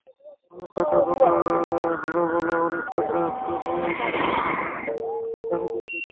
অনেক কথা হলো বলা, অনেক কথা তবু যেন বাকিই থেকে গেল।